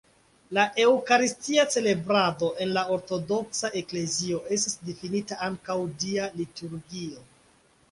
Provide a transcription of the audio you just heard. La eŭkaristia celebrado en la Ortodoksa Eklezio estas difinita ankaŭ Dia liturgio.